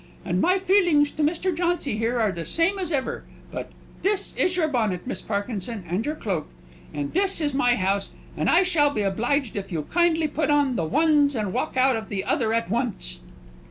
And my feelings to Mr. Jauncy are the same as ever; but this is your bonnet, Miss Parkinson, and your cloak. And this is my house; and I shall be obliged if you'll kindly put on the ones, and walk out of the other at once!"